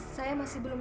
saya masih belum